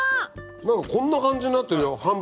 こんな感じになってるよ。